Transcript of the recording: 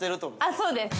◆あ、そうです。